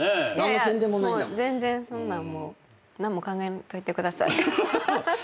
全然そんなんもう何も考えんといてください。